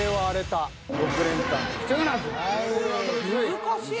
難しい。